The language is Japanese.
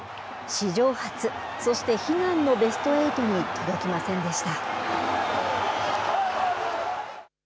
史上初、そして悲願のベストエイトに届きませんでした。